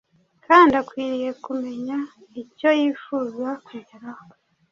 kandi akwiriye kumenya icyo yifuza kugeraho.